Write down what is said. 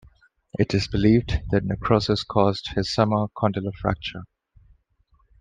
It is believed the necrosis caused his summer condylar fracture.